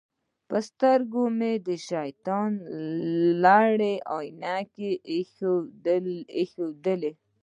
پر سترګو مو شیطان لعین عینکې در اېښي دي.